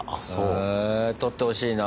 へぇ取ってほしいな。